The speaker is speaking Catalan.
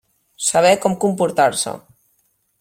Saber com comportar-se.